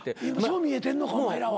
そう見えてんのかお前らは。